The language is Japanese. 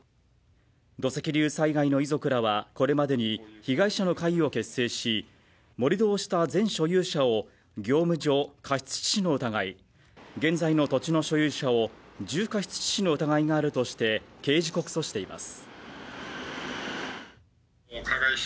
土石流災害の遺族らはこれまでに被害者の会を結成し、盛り土をした前所有者を業務上過失致死の疑い現在の土地の所有者を重過失致死の疑いがあるとして刑事告訴しています。